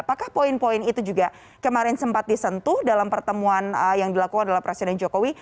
apakah poin poin itu juga kemarin sempat disentuh dalam pertemuan yang dilakukan oleh presiden jokowi